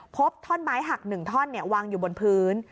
ท่อนไม้หัก๑ท่อนวางอยู่บนพื้น